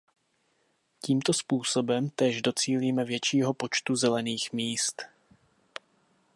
Tímto způsobem též docílíme většího počtu zelených míst.